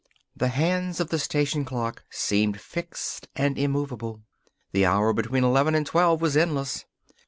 The hands of the station clock seemed fixed and immovable. The hour between eleven and twelve was endless.